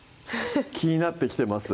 気になってきてます